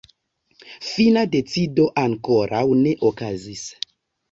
Fina decido ankoraŭ ne okazis.